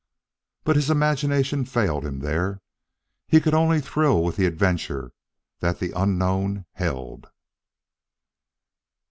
But his imagination failed him there; he could only thrill with the adventure that the unknown held.